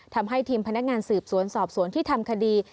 ทำให้ทีมพนักงานสืบสวนสอบสวนที่ทำคดี